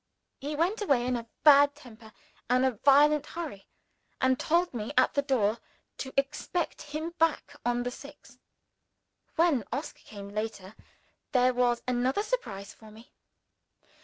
He went away in a bad temper and a violent hurry; and told me, at the door, to expect him back on the sixth. When Oscar came later, there was another surprise for me.